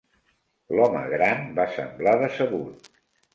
L'home gran va semblar decebut.